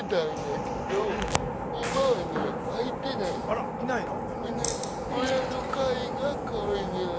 あらいないの？